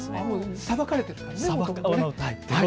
さばかれていますからね。